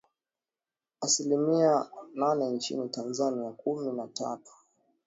asilimi nane nchini Tanzania, kumi na tatun